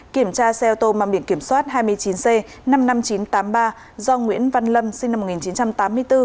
kiểm tra xe ô tô mang biển kiểm soát hai mươi chín c năm mươi năm nghìn chín trăm tám mươi ba do nguyễn văn lâm sinh năm một nghìn chín trăm tám mươi bốn